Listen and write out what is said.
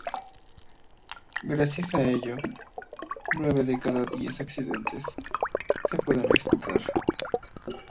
Gracias a ellos, nueve de cada diez accidentes, se pueden explicar.